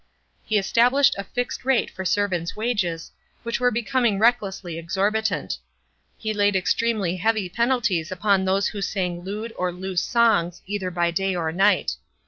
He established a fixed rate for servants' wages, which were becoming recklessly exorbitant. He laid extremely heavy penalties upon those who sang lewd or loose songs either by day or night.